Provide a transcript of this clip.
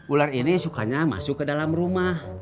ular ini sukanya masuk ke dalam rumah